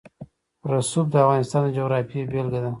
رسوب د افغانستان د جغرافیې بېلګه ده.